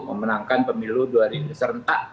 memenangkan pemilu serentak